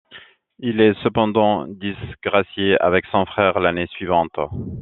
Il est cependant disgracié avec son frère l'année suivante.